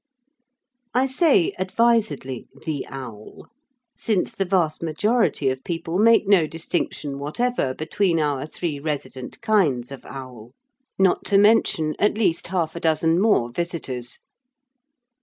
I say advisedly "the owl," since the vast majority of people make no distinction whatever between our three resident kinds of owl, not to mention at least half a dozen more visitors.